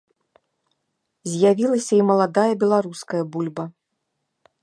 З'явілася і маладая беларуская бульба!